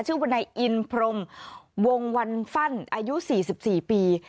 วนายอินพรมวงวันฟั่นอายุ๔๔ปี